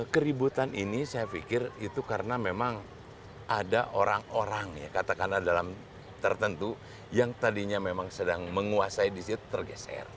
keributan ini saya pikir itu karena memang ada orang orang ya katakanlah dalam tertentu yang tadinya memang sedang menguasai di situ tergeser